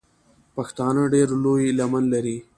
پښتانه ډېره لو لمن لري.